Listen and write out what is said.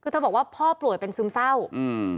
ท่านบอกว่าพ่อผลว่าเป็นซึมเศร้าอืม